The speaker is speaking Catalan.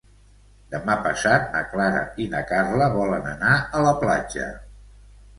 Demà passat na Clara i na Carla volen anar a la platja.